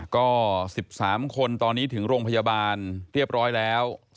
ก็๑๓คนตอนนี้ถึงโรงพยาบาลเรียบร้อยแล้ว